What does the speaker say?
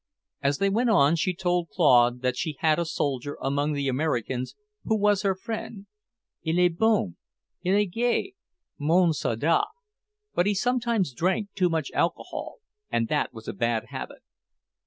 As they went on, she told Claude that she had a soldier among the Americans who was her friend. "Il est bon, il est gai, mon soldat," but he sometimes drank too much alcohol, and that was a bad habit.